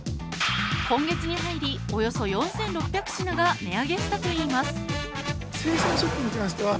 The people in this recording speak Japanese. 今月に入り、およそ４６００品が値上げしたといいます。